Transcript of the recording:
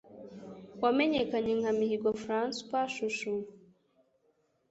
wamenyekanya nka Mihigo Francois Chouchou.